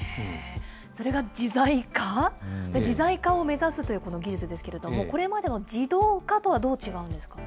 それが自在化、自在化を目指すというこの技術でしたけれども、これまでの自動化とはどう違うんですか。